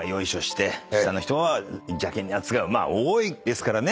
まあ多いですからね。